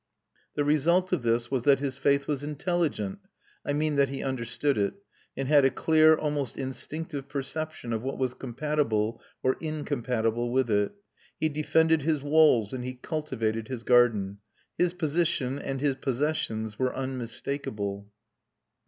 The result of this was that his faith was intelligent, I mean, that he understood it, and had a clear, almost instinctive perception of what was compatible or incompatible with it. He defended his walls and he cultivated his garden. His position and his possessions were unmistakable.